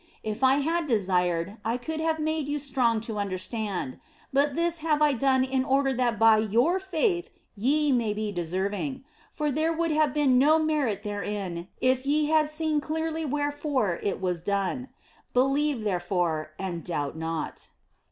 If I had desired, I could have made you strong to understand, but this have I done in order that by your faith ye may be deserving ; for there would have been no merit therein if ye had seen clearly wherefore it was done. Believe, therefore, and doubt not."